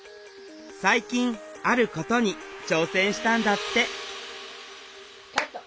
最近あることに挑戦したんだってカット。